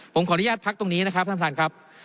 ผมขออนุญาตพักตรงนี้นะครับท่านประธานครับ